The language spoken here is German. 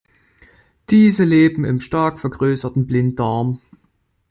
Diese leben im stark vergrößerten Blinddarm.